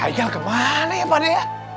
hayal ke mana ya pak de